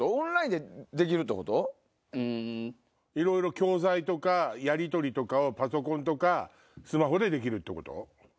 教材とかやりとりとかをパソコンとかスマホでできるってこと？